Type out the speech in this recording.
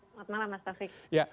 selamat malam mas taufik